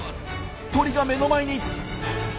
鳥が目の前に。